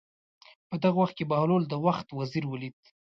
په دغه وخت کې بهلول د وخت وزیر ولید.